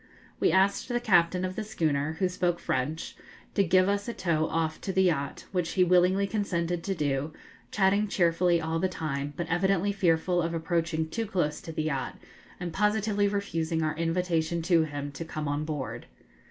We asked the captain of the schooner, who spoke French, to give us a tow off to the yacht, which he willingly consented to do, chatting cheerfully all the time, but evidently fearful of approaching too close to the yacht, and positively refusing our invitation to him to come on board.